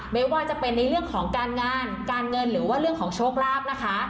ไม่ว่าจะเป็นในเรื่องของการงานการเงินหรือว่าเรื่องของโชคลาภนะคะ